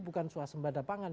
bukan suasembada pangan